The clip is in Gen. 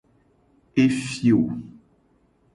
Efio.